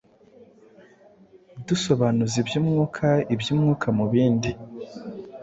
dusobanuza iby’Umwuka iby’Umwuka bindi.”